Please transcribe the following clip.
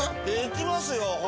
できますよ。